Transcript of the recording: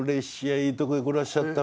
いいとこへ来らっしゃったわ。